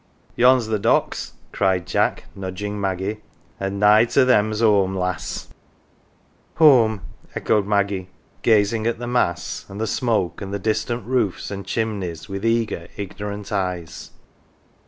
" Yon^s the docks," cried Jack, nudging Maggie ;" and nigh to them's home, lass !"" Home,"" echoed Maggie gazing at the masts, and the smoke, and the distant roofs and chimneys with eager, ignorant eyes.